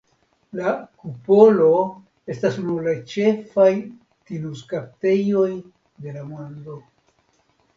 La kupolo estas unu el la ĉefaj tinuskaptejoj de la mondo.